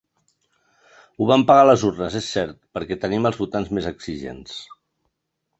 Ho vam pagar a les urnes, és cert, perquè tenim els votants més exigents.